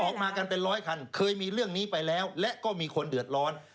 ออกมากันเป็นร้อยคันเคยมีเรื่องนี้ไปแล้วและก็มีคนเดือดร้อน